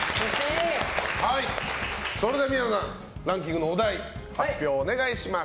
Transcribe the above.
それでは宮野さんランキングのお題発表お願いします。